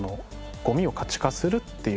ゴミを価値化するっていう。